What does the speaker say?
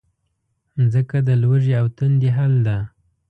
مځکه د لوږې او تندې حل ده.